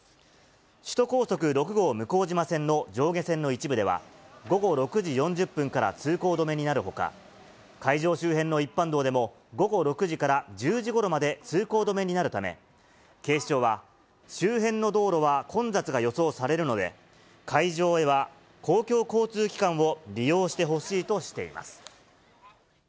首都高速６号向島線の上下線の一部では、午後６時４０分から通行止めになるほか、会場周辺の一般道でも、午後６時から１０時ごろまで通行止めになるため、警視庁は、周辺の道路は混雑が予想されるので、会場へは公共交通機関を利用してほしいとしています。